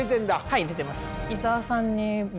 はい出てました